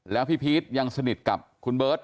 แล้วพี่พีชยังสนิทกับคุณเบิร์ต